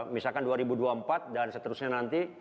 misalkan dua ribu dua puluh empat dan seterusnya nanti